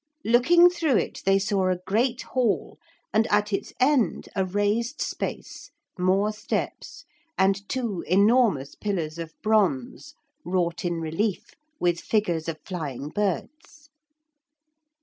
Looking through it they saw a great hall and at its end a raised space, more steps, and two enormous pillars of bronze wrought in relief with figures of flying birds.